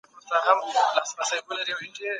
که زده کوونکی پوښتني وکړي دا تعليم پياوړی کوي.